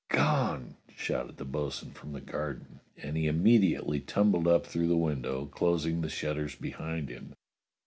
" Gone !" shouted the bo'sun from the garden, and he immediately tumbled up through the window, closing the shutters behind him.